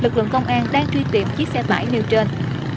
quận công an đang truy tìm chiếc xe bãi liều trên